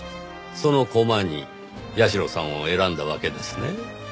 その駒に社さんを選んだわけですね？